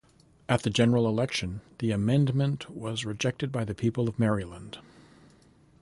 At the general election, the amendment was rejected by the people of Maryland.